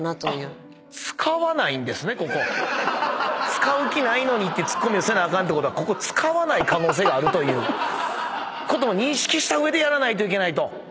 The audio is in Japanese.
使う気ないのにっていうツッコミをせなあかんってことはここ使わない可能性があるということも認識した上でやらないといけないと。